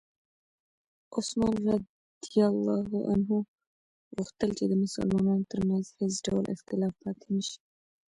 عثمان رض غوښتل چې د مسلمانانو ترمنځ هېڅ ډول اختلاف پاتې نه شي.